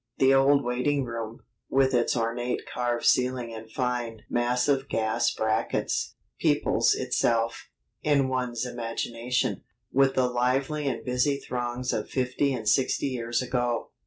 The old waiting room, with its ornate carved ceiling and fine, massive gas brackets, peoples itself, in one's imagination, with the lively and busy throngs of fifty and sixty years ago.